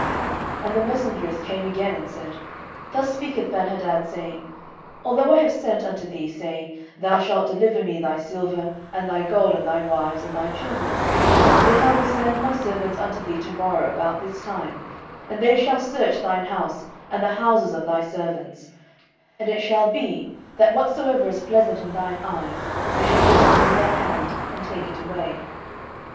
11:020:005 And the messengers came again, and said, Thus speaketh Benhadad, saying, Although I have sent unto thee, saying, Thou shalt deliver me thy silver, and thy gold, and thy wives, and thy children; 11:020:006 Yet I will send my servants unto thee to morrow about this time, and they shall search thine house, and the houses of thy servants; and it shall be, that whatsoever is pleasant in thine eyes, they shall put it in their hand, and take it away.